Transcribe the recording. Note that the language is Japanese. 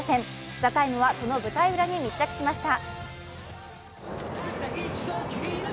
「ＴＨＥＴＩＭＥ，」はその舞台裏に密着しました。